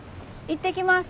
行ってきます。